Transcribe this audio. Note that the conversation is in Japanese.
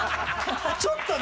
ちょっとね